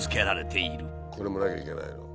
これもなきゃいけないの？